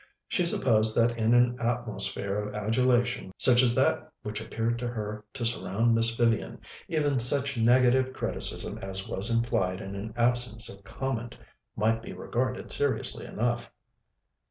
She supposed that in an atmosphere of adulation such as that which appeared to her to surround Miss Vivian, even such negative criticism as was implied in an absence of comment might be regarded seriously enough.